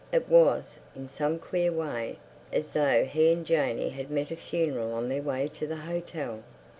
It was, in some queer way, as though he and Janey had met a funeral on their way to the hotel.